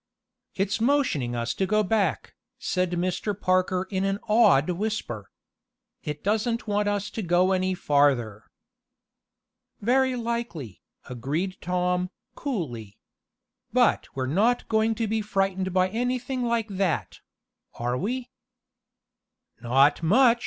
"It's motioning us to go back," said Mr. Parker in an awed whisper. "It doesn't want us to go any farther." "Very likely," agreed Tom, coolly. "But we're not going to be frightened by anything like that; are we?" "Not much!"